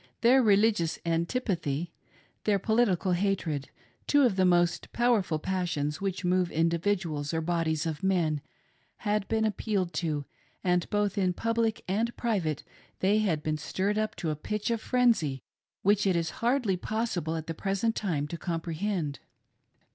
Their religious antipathy, their political hatred — two of the most power ful passions which move individuals or bodies of men — had been appealed to, and both in public and private they had been stirred up to a pitch of frenzy which it is hardly possible at the present time to comprehend.